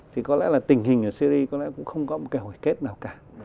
thì có lẽ là tình hình ở syri có lẽ cũng không có một cái hồi kết nào cả